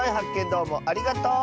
どうもありがとう！